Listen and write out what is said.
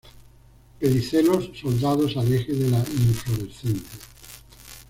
Pedicelos soldados al eje de la inflorescencia.